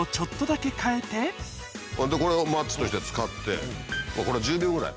これをマッチとして使ってこれ１０秒ぐらい。